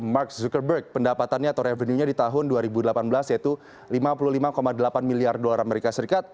mark zuckerberg pendapatannya atau revenue nya di tahun dua ribu delapan belas yaitu lima puluh lima delapan miliar dolar amerika serikat